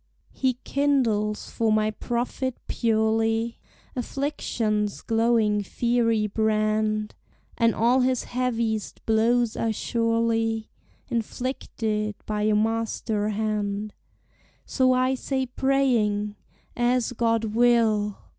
He kindles for my profit purely Affliction's glowing fiery brand, And all his heaviest blows are surely Inflicted by a Master hand: So I say, praying, As God will!